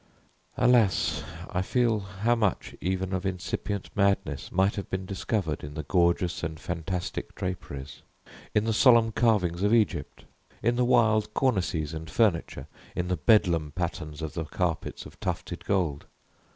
Alas, I feel how much even of incipient madness might have been discovered in the gorgeous and fantastic draperies, in the solemn carvings of Egypt, in the wild cornices and furniture, in the Bedlam patterns of the carpets of tufted gold!